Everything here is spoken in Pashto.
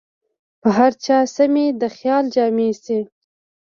پر هر چا سمې د خیال جامې شي